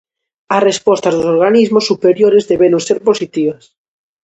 As respostas dos organismos superiores deberon ser positivas.